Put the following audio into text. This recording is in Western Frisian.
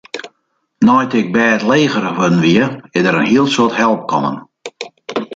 Nei't ik bêdlegerich wurden wie, is der in hiel soad help kommen.